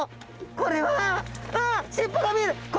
これはわっ尻尾が見える！